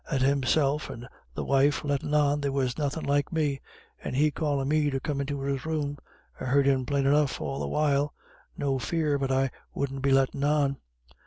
And himself and the wife lettin' on there was nothin' like me; and he callin' me to come into his room I heard him plain enough all the while, no fear, but I wudn't be lettin' on.